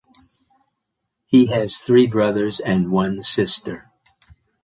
He has three brothers and one sister.